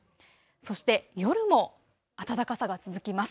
そして夜も暖かさが続きます。